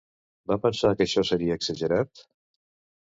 Va pensar que això seria exagerat?